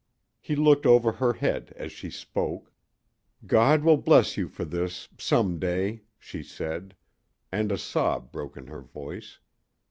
He looked over her head as she spoke. "God will bless you for this some day," she said; and a sob broke in her voice.